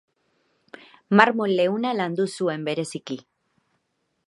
Marmol leuna landu zuen bereziki.